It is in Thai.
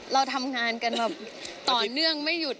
เราทำงานกันแบบต่อเนื่องไม่หยุด